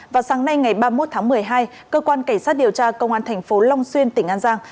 vào sáng nay ngày ba mươi một tháng một mươi hai cơ quan cảnh sát điều tra công an thành phố long xuyên tỉnh an giang